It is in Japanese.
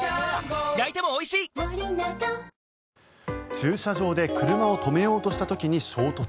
駐車場で車を止めようとした時に衝突。